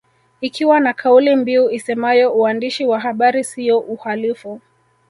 Ikiwa na kauli mbiu isemayo uandishi wa habari siyo uhalifu